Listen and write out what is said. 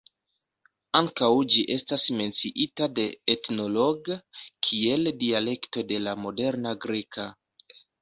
Ankaŭ ĝi estas menciita de "Ethnologue" kiel dialekto de la moderna greka.